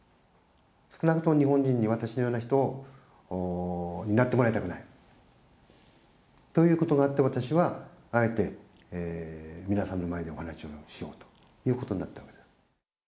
少なくとも日本人に、私のような人になってもらいたくない。ということがあって、私はあえて、皆さんの前でお話をしようということになった。